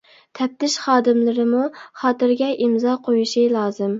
تەپتىش خادىملىرىمۇ خاتىرىگە ئىمزا قويۇشى لازىم.